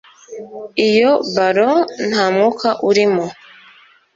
Iyo balon ntamwuka urimo